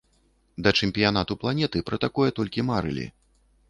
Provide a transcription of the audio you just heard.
Да чэмпіянату планеты пра такое толькі марылі.